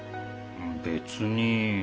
別に。